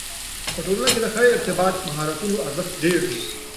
په ټولنه کې د ښه ارتباط مهارتونو ارزښت ډېر دی.